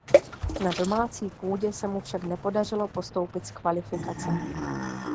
Na "domácí půdě" se mu však nepodařilo postoupit z kvalifikace.